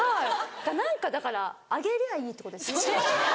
何かだからあげりゃいいってことですね？